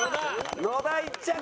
野田１着。